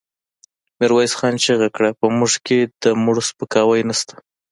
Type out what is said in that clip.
ميرويس خان چيغه کړه! په موږ کې د مړو سپکاوی نشته.